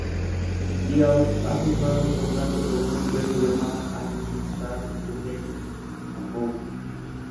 Liao ha firmado un contrato con una empresa llamada "A Legend Star Entertainment Corp.